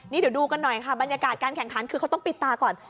นี่เดี๋ยวดูกันหน่อยค่ะบรรยากาศการแข่งขันคือเขาต้องปิดตาก่อน